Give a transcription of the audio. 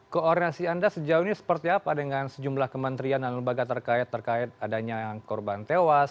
koordinasi anda sejauh ini seperti apa dengan sejumlah kementerian dan lembaga terkait terkait adanya korban tewas